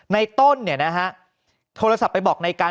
ในต้นเนี่ยนะฮะโทรศัพท์ไปบอกในการ